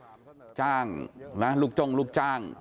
ก็จ้างแหละลุกจุ้งลุกจ้าง